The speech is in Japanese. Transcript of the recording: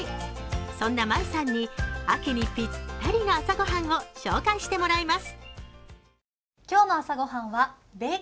そんなＭａｉさんに秋にぴったりの朝御飯を紹介してもらいます。